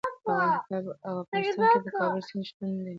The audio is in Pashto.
په افغانستان کې د کابل سیند شتون لري.